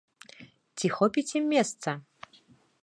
Ці хопіць ім месца?